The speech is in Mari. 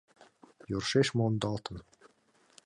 Йӧршеш мондалтын!